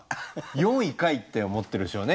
「４位かい！」って思ってるでしょうね